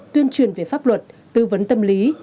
tuyên truyền về pháp luật tư vấn tâm lý